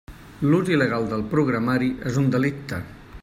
L'ús il·legal del programari és un delicte.